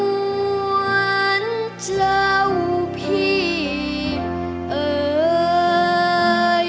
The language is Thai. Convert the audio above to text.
น้วนเจ้าพีย์เอ่ย